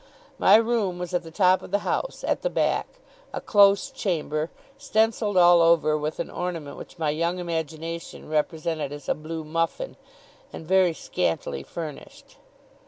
My room was at the top of the house, at the back: a close chamber; stencilled all over with an ornament which my young imagination represented as a blue muffin; and very scantily furnished.